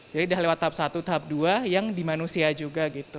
jadi udah lewat tahap satu tahap dua yang di manusia juga gitu